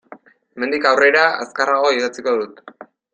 Hemendik aurrera azkarrago idatziko dut.